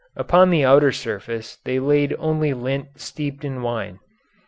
Upon the outer surface they laid only lint steeped in wine.